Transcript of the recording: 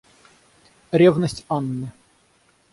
Ревность Анны.